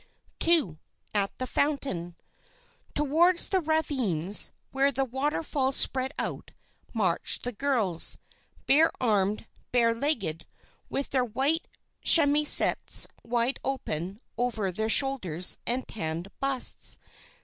"II. AT THE FOUNTAIN "Towards the ravines, where the water falls spread out, march the girls, barearmed, barelegged, with their white chemisettes wide open over their shoulders and tanned busts.